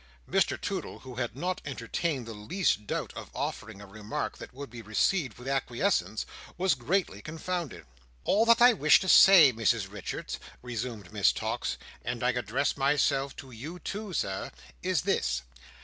Mr Toodle, who had not entertained the least doubt of offering a remark that would be received with acquiescence, was greatly confounded. "All that I wish to say, Mrs Richards," resumed Miss Tox,—"and I address myself to you too, Sir,—is this.